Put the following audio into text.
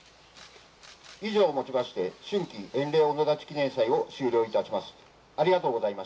以上をもちまして、春季塩嶺御野立記念祭を終了いたします。